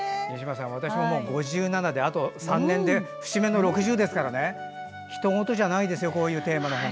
私も５７歳であと３年で節目の６０ですからひと事じゃないですよこういうテーマは。